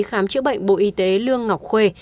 khám chữa bệnh bộ y tế lương ngọc khuê